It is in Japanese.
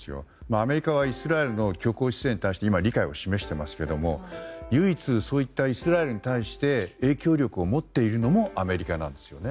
アメリカはイスラエルの強硬姿勢に対して今、理解を示していますが唯一イスラエルに対して影響力を持っているのもアメリカなんですよね。